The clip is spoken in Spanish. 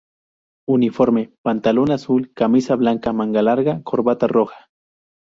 Uniforme: Pantalón azul, camisa blanca manga larga, corbata roja.